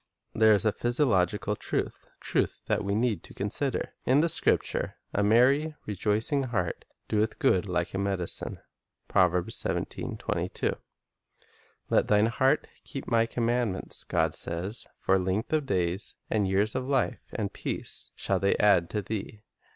There is a physiological truth — truth that we need to consider — in the scripture, "A merry [rejoicing] heart doeth good like a medicine." "Let thine heart keep My commandments," God Cheerfulness; Gratitude says; "for length of days, and years of life, and peace, shall they add to thee."